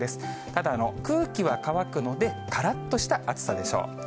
ただ、空気は乾くので、からっとした暑さでしょう。